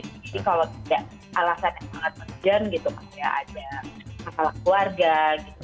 jadi kalau tidak alasannya sangat bergen gitu maksudnya ada masalah keluarga gitu